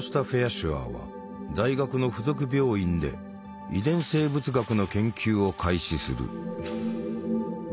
シュアーは大学の付属病院で遺伝生物学の研究を開始する。